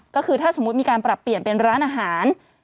ก็คือถ้าสมมุติมีการปรับเปลี่ยนเป็นร้านอาหาร